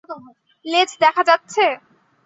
লেজ দেখা যাচ্ছে?